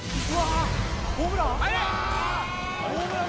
ホームラン？